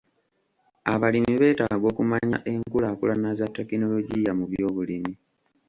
Abalimi beetaaga okumanya enkulaakulana za tekinologiya mu by'obulimi.